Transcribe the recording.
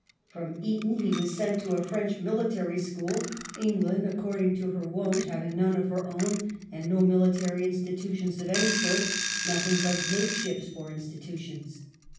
From Eton he was sent to a French military school, England, according to her wont, having none of her own, and no military institutions of any sort, nothing but makeshifts for institutions.